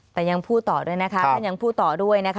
แต่ยังพูดต่อด้วยนะคะท่านยังพูดต่อด้วยนะคะ